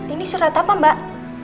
ini surat apa mbak